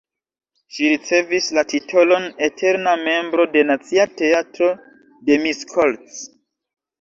Ŝi ricevis la titolon eterna membro de Nacia Teatro de Miskolc.